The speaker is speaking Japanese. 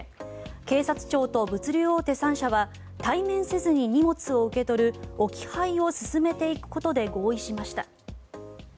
警察庁と物流大手３社は対面せずに荷物を受け取る置き配を進めていくことで合意しました。